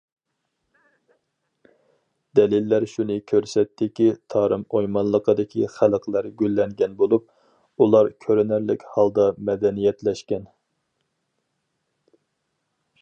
دەلىللەر شۇنى كۆرسەتتىكى، تارىم ئويمانلىقىدىكى خەلقلەر گۈللەنگەن بولۇپ، ئۇلار كۆرۈنەرلىك ھالدا مەدەنىيەتلەشكەن.